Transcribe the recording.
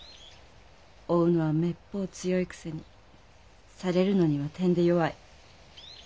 追うのはめっぽう強いくせにされるのにはてんで弱い。